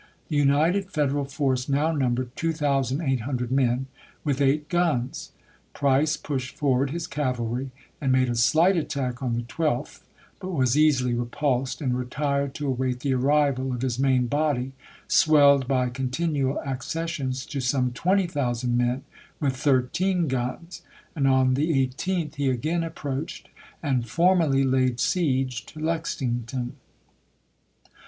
The united Federal force now numbered 2800 men, with eight guns. Price pushed forward his cavalry, and made a slight attack on the 12th, but was easily repulsed and retired to await the arrival of his main body, swelled by con tinual accessions to some 20,000 men with thirteen guns; and on the 18th he again approached and formally laid siege to Lexington.